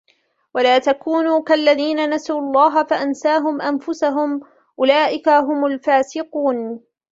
ولا تكونوا كالذين نسوا الله فأنساهم أنفسهم أولئك هم الفاسقون